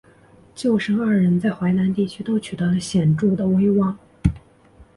舅甥二人在淮南地区都取得了显着的威望。